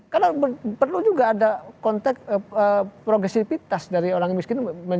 karena perlu juga ada konteks progresifitas dari orang miskin